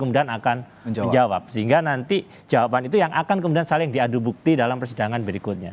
kemudian akan menjawab sehingga nanti jawaban itu yang akan kemudian saling diadu bukti dalam persidangan berikutnya